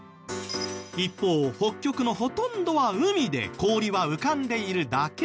一方北極のほとんどは海で氷は浮かんでいるだけ。